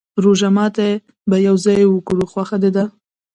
روژه ماته به يو ځای وکرو، خوښه دې ده؟